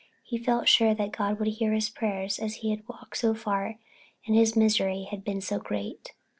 He felt sure that God would hear his prayers after he had walked so far and his misery had been so great.